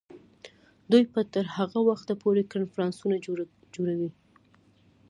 دوی به تر هغه وخته پورې کنفرانسونه جوړوي.